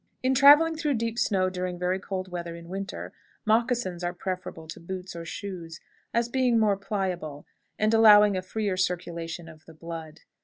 In traveling through deep snow during very cold weather in winter, moccasins are preferable to boots or shoes, as being more pliable, and allowing a freer circulation of the blood.